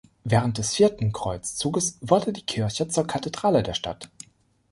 Während des vierten Kreuzzuges wurde die Kirche zur Kathedrale der Stadt.